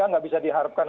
enggak bisa diharapkan